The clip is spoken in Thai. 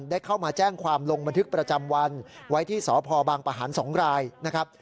ได้เข้ามาแจ้งความลงบันทึกประจำวันไว้ที่สพบางประหาร๒รายนะครับ